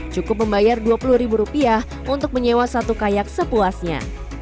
cukup membayar dua puluh ribu rupiah untuk menyewa satu kayak sepuasnya